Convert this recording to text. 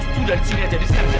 jangan harus dari sini aja